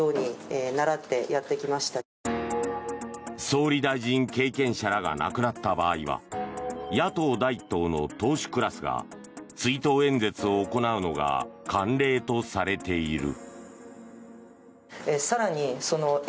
総理大臣経験者らが亡くなった場合は野党第１党の党首クラスが追悼演説を行うのが慣例とされている。